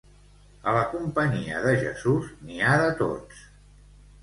A la companyia de Jesús n'hi ha de tots.